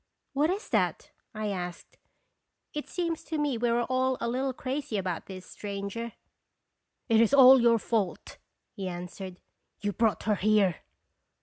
" What is that?" I asked. " It seems to me we are all a little crazy about this stranger." " It is all your fault," he answered; "you brought her here."